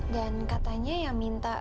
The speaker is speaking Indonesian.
dan katanya yang minta